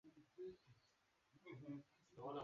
baina ya wanyama wagonjwa na wasio wagonjwa